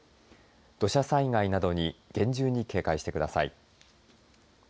土砂災害などに厳重に警戒してください。